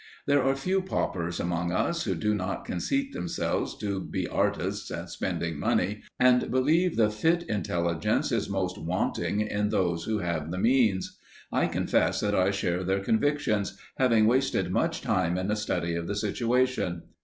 There are few paupers among us who do not conceit themselves to be artists at spending money, and believe the fit intelligence is most wanting in those who have the means. I confess that I share their convictions, having wasted much time in a study of the situation.